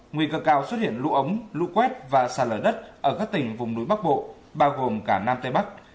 nguy cơ cao xuất hiện lũ ống lũ quét và xa lở đất ở các tỉnh vùng núi bắc bộ bao gồm cả nam tây bắc